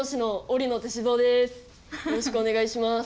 よろしくお願いします。